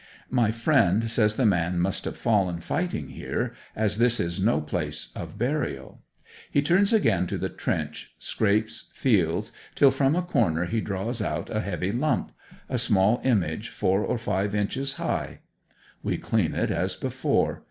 My friend says the man must have fallen fighting here, as this is no place of burial. He turns again to the trench, scrapes, feels, till from a corner he draws out a heavy lump a small image four or five inches high. We clean it as before.